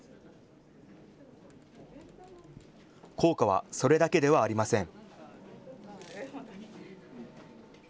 効果はそれだけではありません。